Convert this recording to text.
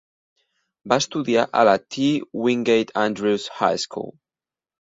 Va estudiar a la T. Wingate Andrews High School.